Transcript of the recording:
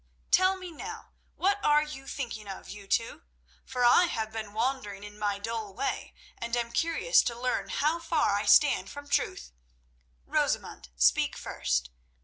Tell me now, what are you thinking of, you two—for I have been wondering in my dull way, and am curious to learn how far I stand from truth? Rosamund, speak first.